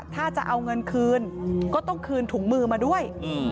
ถ้าจะเอาเงินคืนก็ต้องคืนถุงมือมาด้วย